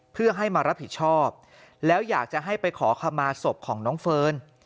เพื่อให้มารับผิดชอบแล้วอยากจะให้ไปขอคำมาศพของน้องเฟิร์น